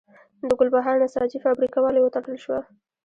د ګلبهار نساجي فابریکه ولې وتړل شوه؟